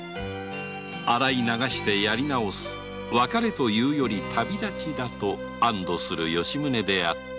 洗い流してやり直す別れというより旅立ちだと安堵する吉宗であった